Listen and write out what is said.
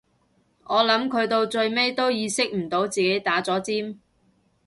我諗佢到最尾都意識唔到自己打咗尖